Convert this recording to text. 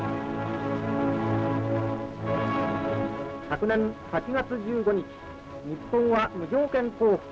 「昨年８月１５日日本は無条件降伏。